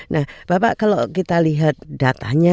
nah bapak kalau kita lihat datanya